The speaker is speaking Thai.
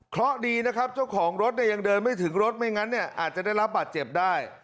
เพราะดีนะครับเจ้าของรถเนี่ยยังเดินไม่ถึงรถไม่งั้นเนี่ยอาจจะได้รับบาดเจ็บได้